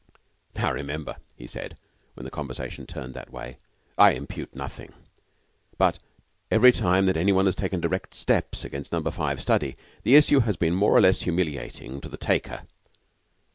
"Now remember," he said, when the conversation turned that way, "I impute nothing. But every time that any one has taken direct steps against Number Five study, the issue has been more or less humiliating to the taker."